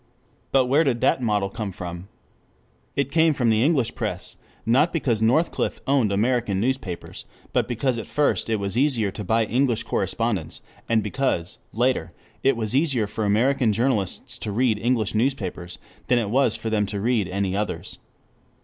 But where did that model come from? It came from the English press, not because Northcliffe owned American newspapers, but because at first it was easier to buy English correspondence, and because, later, it was easier for American journalists to read English newspapers than it was for them to read any others.